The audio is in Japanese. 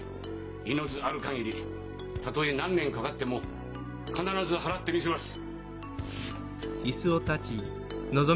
命ある限りたとえ何年かかっても必ず払ってみせます！